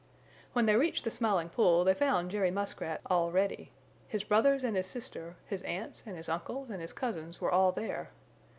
When they reached the Smiling Pool they found Jerry Muskrat all ready. His brothers and his sister, his aunts and his uncles and his cousins were all there.